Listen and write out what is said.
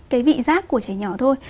cái vị giác của trẻ nhỏ thôi